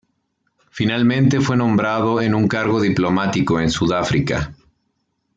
Finalmente fue nombrado en un cargo diplomático en Sudáfrica.